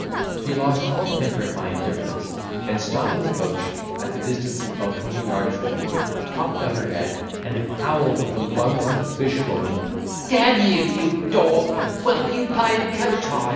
She lost all temper at my indifference, and, stopping the coach, at the distance of about twenty yards from me, popped out her head, and howled with the lungs of a fishwoman, "D—n you, you dog, won't you pay the coach hire?"